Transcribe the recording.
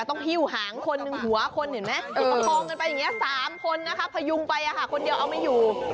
ตัวหนักตัวนู้นด่วย